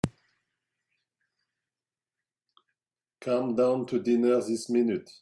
Come down to dinner this minute.